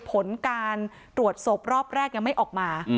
ผลการตรวจศพรอบแรกยังไม่ออกมา